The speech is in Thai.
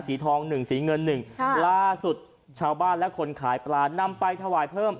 ทองหนึ่งสีเงินหนึ่งค่ะล่าสุดชาวบ้านและคนขายปลานำไปถวายเพิ่ม